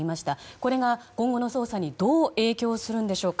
これが今後の捜査にどう影響するんでしょうか。